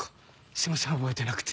すいません覚えてなくて。